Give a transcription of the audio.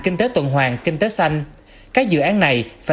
kinh tế tuần hoàng kinh tế xanh